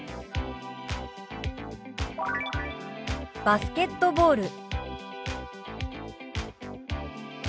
「バスケットボール」。